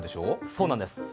そうなんです。